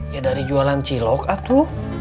ya dari jualan cilok aku